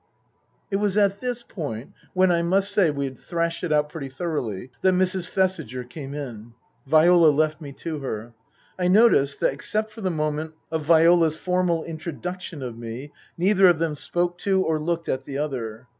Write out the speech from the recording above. It was at this point (when, I must say, we had thrashed it out pretty thoroughly) that Mrs. Thesiger came in. Viola left me to her. I noticed that, except for the moment of Viola's formal introduction of me, neither of them spoke to or looked at the other.